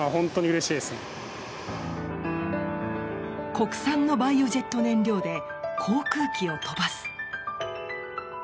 国産のバイオジェット燃料で航空機を飛ばす。